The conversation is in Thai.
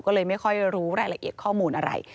ก็เลยไม่ค่อยรู้รายละเอียดข้อมูลอะไร